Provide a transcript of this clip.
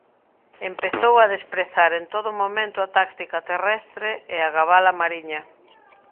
Empezou a desprezar en todo momento a táctica terrestre e a gaba-la mariña.